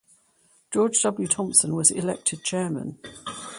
George W. Thompson was elected chairman.